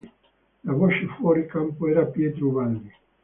La voce fuori campo era Pietro Ubaldi.